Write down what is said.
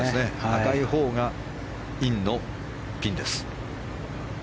赤いほうがインのピンです。